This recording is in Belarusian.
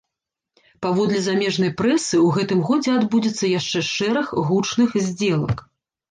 Паводле замежнай прэсы, у гэтым годзе адбудзецца яшчэ шэраг гучных здзелак.